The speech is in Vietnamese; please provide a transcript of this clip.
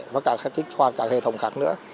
và cả kích hoạt các hệ thống khác nữa